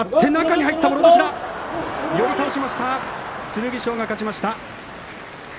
剣翔が勝ちました。